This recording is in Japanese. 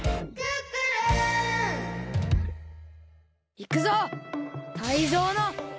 いくぞ！